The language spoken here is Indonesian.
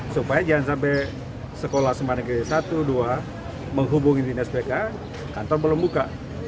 supaya jangan sampai sekolah semanage satu dua menghubungi dinas pk kantor belum buka